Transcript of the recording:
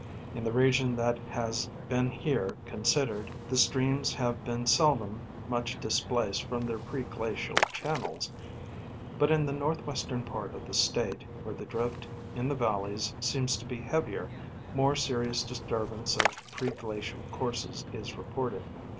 In the region that has been here considered, the streams have been seldom much displaced from their pre glacial channels ; but in the northwestern part of the State, where the drift in the valleys seems to be heavier, more serious disturbance of pre glacial courses is reported.